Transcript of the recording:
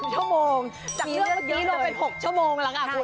ชั่วโมงจากเรื่องเมื่อกี้รวมเป็น๖ชั่วโมงแล้วค่ะคุณ